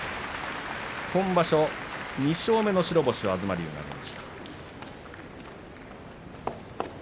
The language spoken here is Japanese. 今場所２勝目の白星を東龍が挙げました。